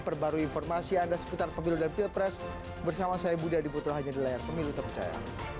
perbaru informasi anda seputar pemilu dan pilpres bersama saya budha diputrohanya di layar pemilu terpercaya